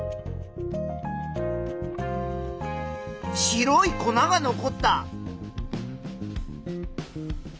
白い粉が残った。